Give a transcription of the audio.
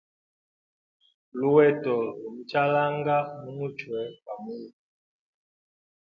Luheto lu muchalanga mu muchwe gwa mundu.